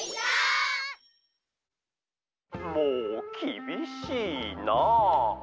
「もうきびしいな」。